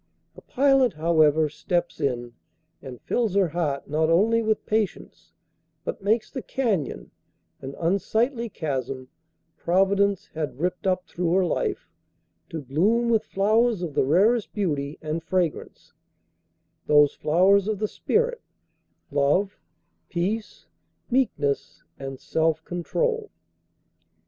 The Pilot, however, steps in and fills her heart, not only with patience, but makes the canyon—an unsightly chasm—Providence had ripped up through her life, to bloom with flowers of the rarest beauty and fragrance—those flowers of the Spirit, love, peace, meekness and self control.